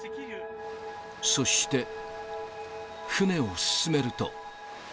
そして、船を進めると。